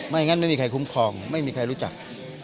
งั้นไม่มีใครคุ้มครองไม่มีใครรู้จัก